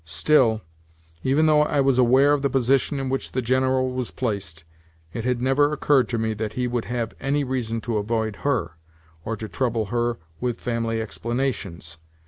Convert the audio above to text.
Still, even though I was aware of the position in which the General was placed, it had never occurred to me that he would have any reason to avoid her, or to trouble her with family explanations.